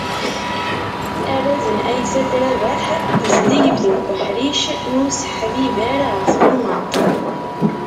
Arraz n Aysat Rabaḥ n tezdeg deg uḥric n useḥbiber ɣef twennaḍt.